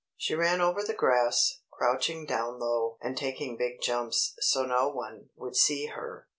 She ran over the grass, crouching down low, and taking big jumps so no one would see her.